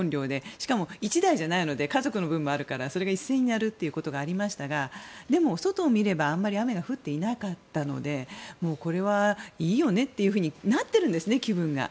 しかも１台じゃないので家族の分もあるからそれが一斉に鳴るということがありましたがでも、外を見ればあまり雨は降っていなかったのでこれはいいよねっていうふうになっているんですね、気分が。